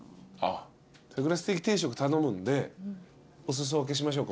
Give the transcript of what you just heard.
ステーキ定食頼むんでお裾分けしましょうか？